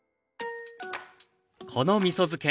このみそ漬け。